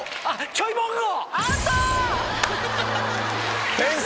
ちょいボンゴ！